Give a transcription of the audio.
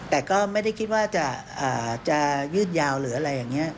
แต่ก็ไม่ได้คิดว่าจะยืดยาวหรืออะไรอย่างนี้